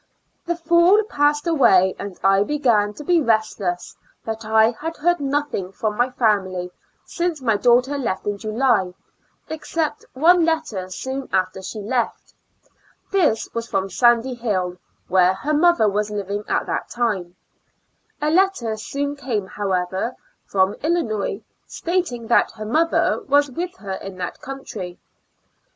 The fall passed away, and I began to be restless that I had heard nothing from my family since my daughter left in July, except one letter soon after she left; this was from Sandy Hill, where her mother was living at that time A letter soon JA' A L UNATIC ASYL UJL 145 came, however, from Illinois, stating that her mother was with her in that country.